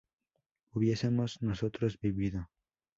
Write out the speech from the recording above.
¿hubiésemos nosotros vivido?